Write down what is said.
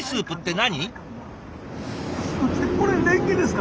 何？